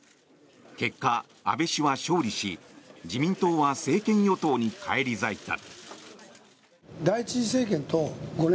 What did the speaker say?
結果、安倍氏は勝利し自民党は政権与党に返り咲いた。